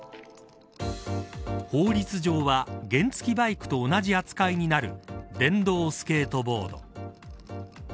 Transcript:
法律上は原付バイクと同じ扱いになる電動スケートボード。